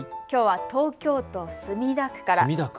きょうは東京都墨田区から。